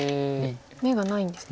眼がないんですね。